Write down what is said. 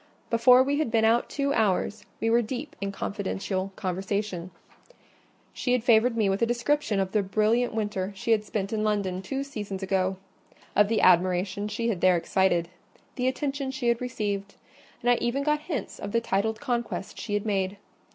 Before we had been out two hours, we were deep in a confidential conversation: she had favoured me with a description of the brilliant winter she had spent in London two seasons ago—of the admiration she had there excited—the attention she had received; and I even got hints of the titled conquest she had made.